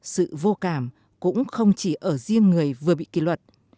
sự vô cảm cũng không chỉ ở riêng người vừa bị kỷ luật